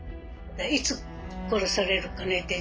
いつ殺されるかねって